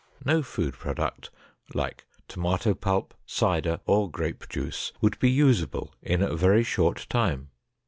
No food product like tomato pulp, cider, or grape juice would be usable in a very short time.